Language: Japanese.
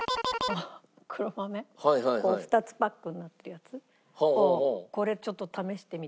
こう２つパックになってるやつを「これちょっと試してみて」。